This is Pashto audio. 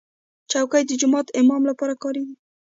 چوکۍ د جومات امام لپاره کارېږي.